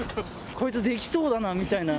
こいつできそうだなみたいな。